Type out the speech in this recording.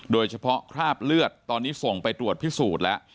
คราบเลือดตอนนี้ส่งไปตรวจพิสูจน์แล้ว